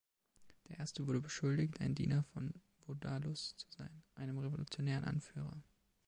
Der Erste wurde beschuldigt, ein Diener von Vodalus zu sein, einem revolutionären Anführer.